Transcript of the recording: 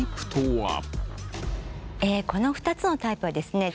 この２つのタイプはですね